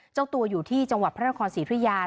เจ้าตัวอยู่ที่จังหวัดพระนครศรีธุยา